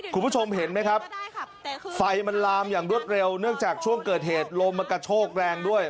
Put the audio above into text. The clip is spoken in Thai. คุณผู้ชมเห็นไหมครับไฟมันลามอย่างรวดเร็วเนื่องจากช่วงเกิดเหตุลมมันกระโชกแรงด้วย